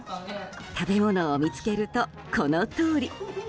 食べ物を見つけるとこのとおり。